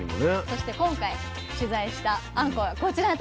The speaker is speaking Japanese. そして今回取材したあんこがこちらとなります。